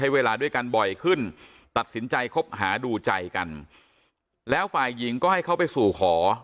เวลาด้วยกันบ่อยขึ้นตัดสินใจคบหาดูใจกันแล้วฝ่ายหญิงก็ให้เขาไปสู่ขอ